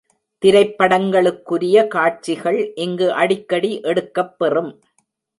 திரைப்படங்களுக்குரிய காட்சிகள் இங்கு அடிக்கடி எடுக்கப்பெறும்.